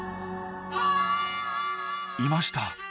いました。